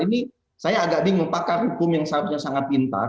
ini saya agak bingung pakar hukum yang seharusnya sangat pintar